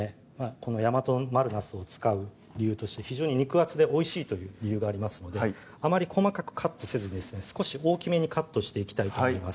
この大和丸なすを使う理由として非常に肉厚でおいしいという理由がありますのであまり細かくカットせずにですね少し大きめにカットしていきたいと思います